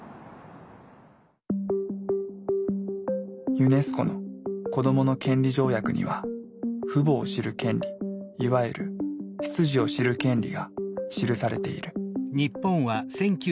ユネスコの子どもの権利条約には「父母を知る権利」いわゆる「出自を知る権利」が記されている。